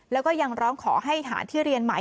แล้วก็ยังร้องขอให้หาที่เรียนหมาย